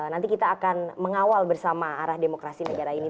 nanti kita akan mengawal bersama arah demokrasi negara ini